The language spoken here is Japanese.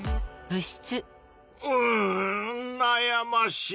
うんなやましい。